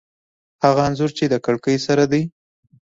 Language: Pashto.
هغه انځور چې د کړکۍ سره دی